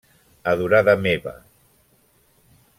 -Adorada meva!